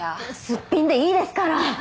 すっぴんでいいですから。